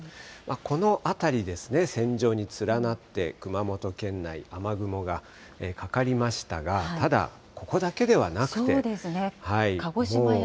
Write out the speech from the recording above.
この辺りですね、線状に連なって、熊本県内、雨雲がかかりましたが、ただ、ここだけではなくて。